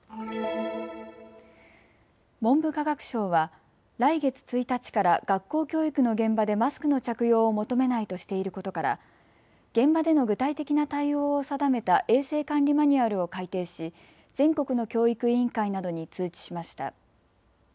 文部科学省は来月１日から学校教育の現場でマスクの着用を求めないとしていることから現場での具体的な対応を定めた衛生管理マニュアルを改定し全国の教育委員会などに通知しました。